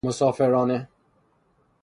مسافرانه